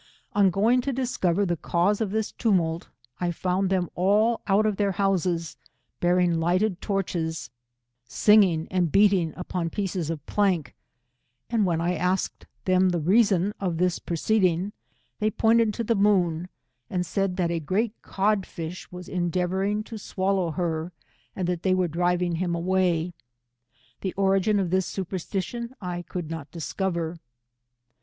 Ofl going to discover the cause of this tumult, I found them all out of their houses, bearing lighted torches, singing and beating upon pieces of plank, and whisn I asked them the reason of this proceed ing, they pointed to the moon, and said that a great cod fish was endeavouring to swallow her, and that they were driving him away. The origin of this superstition I could not discover.